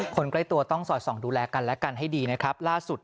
คนใกล้ตัวต้องสอดส่องดูแลกันและกันให้ดีนะครับล่าสุด